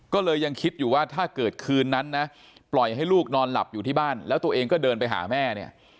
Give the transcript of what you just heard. ก็เลยยังคิดอยู่ว่าถ้าเกิดคืนนั้นนะปล่อยให้ลูกนอนหลับอยู่ที่บ้านแล้วตัวเองก็เดินไปหาแม่เนี่ย